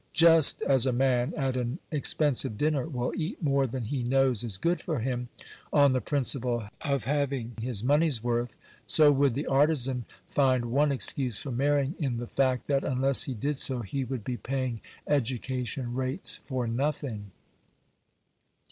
Just as a man at an expensive dinner will eat more than he knows is good for him, on the principle of having his money's worth, so would the artizan find one excuse for marrying in the fact that, unless he did so, he would be paying education rates for nothing.